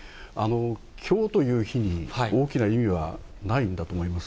きょうという日に、大きな意味はないんだと思います。